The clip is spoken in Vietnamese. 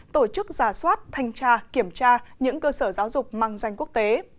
tổ chức giả soát thanh tra kiểm tra những cơ sở giáo dục mang danh quốc tế